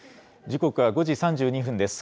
時刻は５時３２分です。